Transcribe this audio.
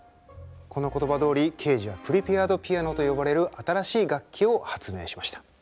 この言葉どおりケージはプリペアド・ピアノと呼ばれる新しい楽器を発明しました。